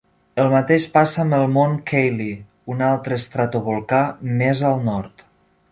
El mateix passa amb el Mont Cayley, un altre estratovolcà més al nord.